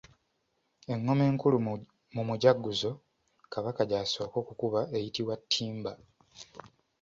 Engoma enkulu mu mujaguzo Kabaka gy'asooka okukubako eyitibwa Ttimba.